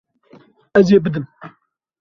Ez ê bidim.